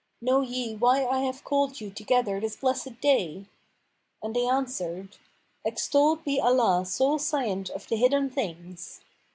Know ye why I have called you together this blessed day?' And they answered, 'Extolled be Allah sole Scient of the hidden things.